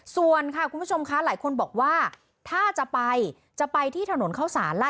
ส่วนค่ะคุณผู้ชมคะหลายคนบอกว่าถ้าจะไปจะไปที่ถนนเข้าสารล่ะ